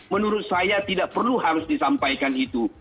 menurut saya tidak perlu harus disampaikan itu